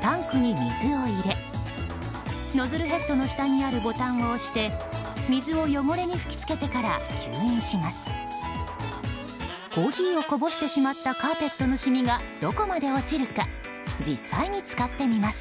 タンクに水を入れノズルヘッドの下にあるボタンを押して水を汚れに吹き付けてから吸引します。